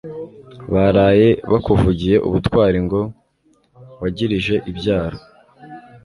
Baraye bakuvugiye ubutwari ngo wagirije ibyaro.